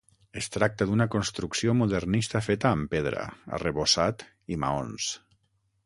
Es tracta d'una construcció modernista feta amb pedra, arrebossat i maons.